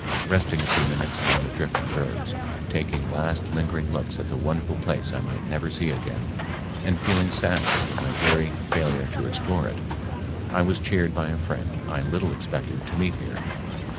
Resting a few minutes among the drifting bergs, taking last lingering looks at the wonderful place I might never see again, and feeling sad over my weary failure to explore it, I was cheered by a friend I little expected to meet here.